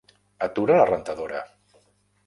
Atura la rentadora.